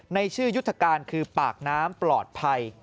ในชื่อยุทธการคือปากน้ำปลอดภัย